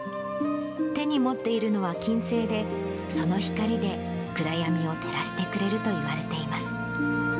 手に持っているのは金星で、その光で暗闇を照らしてくれるといわれています。